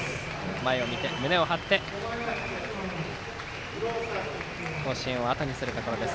前を見て、胸を張って甲子園をあとにするところです。